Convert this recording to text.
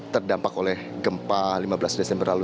terdampak oleh gempa lima belas desember lalu